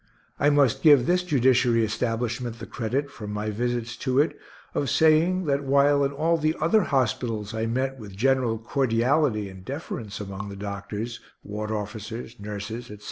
I must give this Judiciary establishment the credit, from my visits to it, of saying that while in all the other hospitals I met with general cordiality and deference among the doctors, ward officers, nurses, etc.